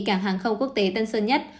cảng hàng không quốc tế tân sơn nhất